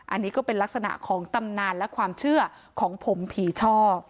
อันนี้ก็เป็นลักษณะของตำนานและความเชื่อของผมผีช่อ